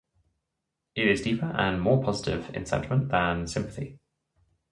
It is deeper and more positive in sentiment than sympathy.